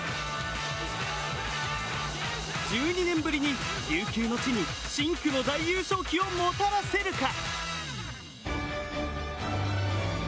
１２年ぶりに琉球の地に深紅の大優勝旗をもたらせるか。